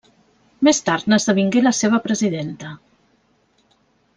Més tard n'esdevingué la seva presidenta.